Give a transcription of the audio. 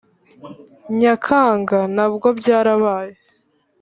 nyakanga nabwo byarabaye